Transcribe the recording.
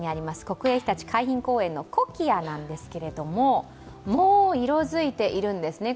国営ひたち海浜公園のコキアなんですけれどももう色づいているんですね。